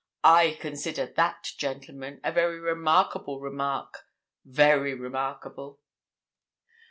"I consider that, gentlemen, a very remarkable remark—very remarkable!"